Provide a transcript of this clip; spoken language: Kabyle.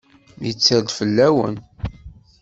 Yetter-d fell-awen.